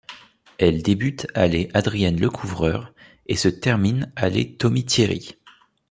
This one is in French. Elle débute allée Adrienne-Lecouvreur et se termine allée Thomy-Thierry.